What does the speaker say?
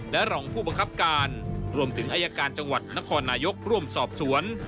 และรองผู้บังคับการรวมถึงอายการจังหวัดนครนายกร่วมสอบสวน